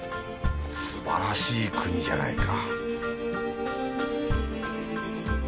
すばらしい国じゃないか